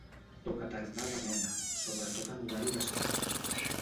Tocatardà de mena, sobretot en horari vespertí.